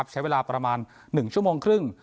ใช้เวลาประมาณ๑ชั่วโมงครึ่ง